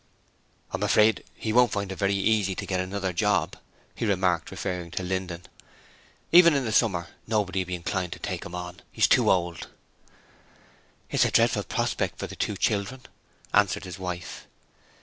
'I'm afraid he won't find it very easy to get another job,' he remarked, referring to Linden. 'Even in the summer nobody will be inclined to take him on. He's too old.' 'It's a dreadful prospect for the two children,' answered his wife.